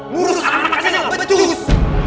muruskan rata kalian lo betus